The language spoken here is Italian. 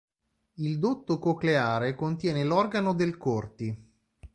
Il dotto cocleare contiene l'organo del Corti.